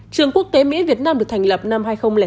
trường quốc tế mỹ việt nam được thành lập năm hai nghìn chín